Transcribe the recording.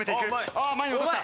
ああっ前に落とした！